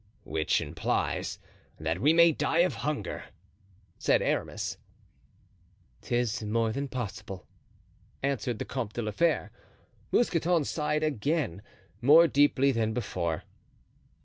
"Which implies that we may die of hunger," said Aramis. "'Tis more than possible," answered the Comte de la Fere. Mousqueton sighed again, more deeply than before.